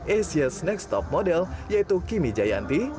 asia's next top model yaitu kimi jayanti